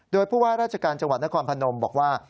โดยผู้ว่าราชการจังหวัดนครพนมบอกว่า